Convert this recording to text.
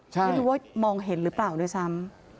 ไม่รู้ว่ามองเห็นหรือเปล่าด้วยซ้ำ